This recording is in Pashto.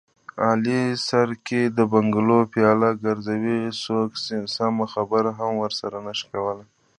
علي سر کې د بنګو پیاله ګرځوي، څوک سمه خبره هم ورسره نشي کولی.